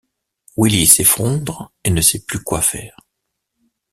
Willie s'effondre et ne sait plus quoi faire.